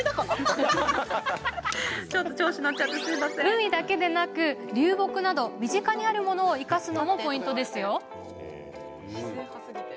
海だけでなく流木など身近にあるものを生かすのもポイント。